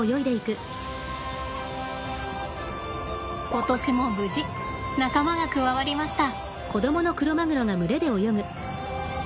今年も無事仲間が加わりました。